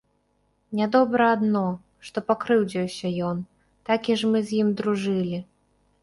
Нядобра адно, што пакрыўдзіўся ён, такі ж мы з ім дружылі.